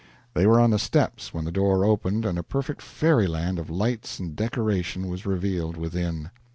They were on the steps when the door opened and a perfect fairyland of lights and decoration was revealed within.